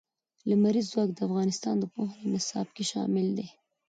لمریز ځواک د افغانستان د پوهنې نصاب کې شامل دي.